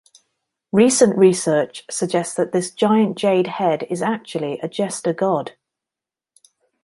Recent research suggests that this giant jade head is actually a Jester God.